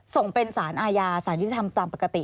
ส่งเป็นสารอาญาสารที่ทำตามปกติ